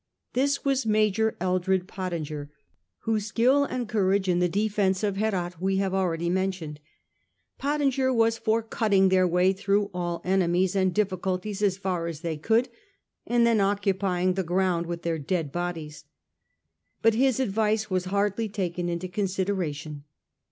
This was Major Eldred Pottinger, whose skill and courage in the defence of Herat we have already mentioned. Pottinger was for cutting their way through all enemies and difficulties as far as they could, and then occupying the ground with their dead bodies. But his advice was hardly taken into consideration.